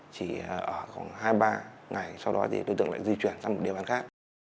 chỉ ở khoảng hai ba ngày sau đó thì đối tượng lại di chuyển sang một địa bàn khác